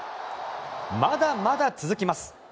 まだまだ続きます。